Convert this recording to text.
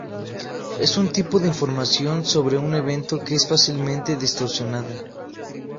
Es un tipo de información sobre un evento que es fácilmente distorsionada.